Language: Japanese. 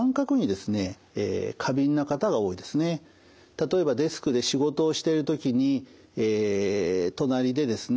例えばデスクで仕事をしてる時に隣でですね